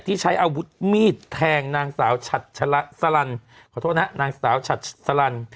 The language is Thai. ที่ใช้อาวุธมีดแทงนางสาวฉัดสลันขอโทษนะนางสาวฉัดสลัน